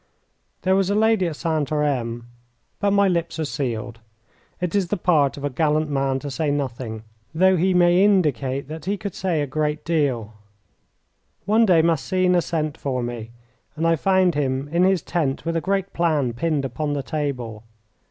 There was a lady at Santarem but my lips are sealed. It is the part of a gallant man to say nothing, though he may indicate that he could say a great deal. One day Massena sent for me, and I found him in his tent with a great plan pinned upon the table.